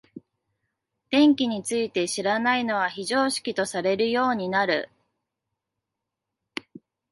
電気について知らないのは非常識とされるようになる。